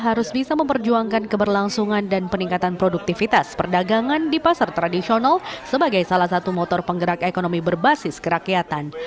harus bisa memperjuangkan keberlangsungan dan peningkatan produktivitas perdagangan di pasar tradisional sebagai salah satu motor penggerak ekonomi berbasis kerakyatan